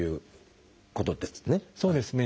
そうですね。